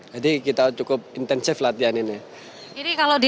jadi kita cukup intensif latihan ini